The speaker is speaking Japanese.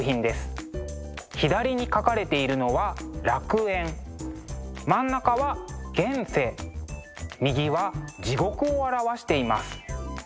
左に描かれているのは楽園真ん中は現世右は地獄を表しています。